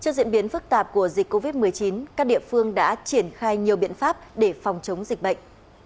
trước diễn biến phức tạp của dịch covid một mươi chín các địa phương đã triển khai nhiều biện pháp để phòng chống dịch bệnh